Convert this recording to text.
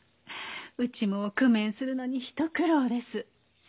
うちも工面するのにひと苦労です。